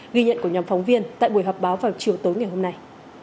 ghi nhận của nhóm phóng viên tại buổi họp báo vào chiều tối ngày hôm nay